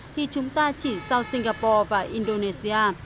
thì chúng ta chỉ sau singapore và indonesia